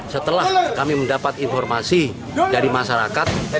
setelah kami mendapat informasi dari masyarakat